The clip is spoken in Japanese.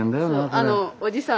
あっおじさん